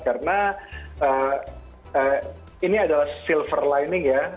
karena ini adalah silver lining ya